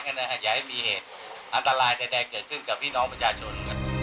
อย่าให้มีเหตุอันตรายใดเกิดขึ้นกับพี่น้องประชาชน